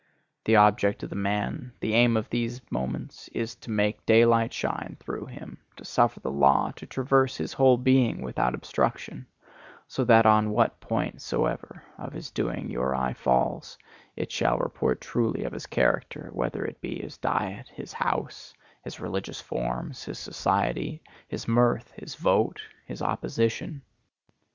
The object of the man, the aim of these moments, is to make daylight shine through him, to suffer the law to traverse his whole being without obstruction, so that on what point soever of his doing your eye falls it shall report truly of his character, whether it be his diet, his house, his religious forms, his society, his mirth, his vote, his opposition.